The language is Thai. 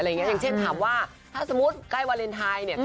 อย่างเช่นถามว่าถ้าสมมุติใกล้วาเลนไทยเนี่ย